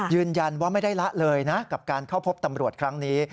ยืนยันว่าไม่ได้ละเลยนะกับการเข้าพบตำรวจครั้งนี้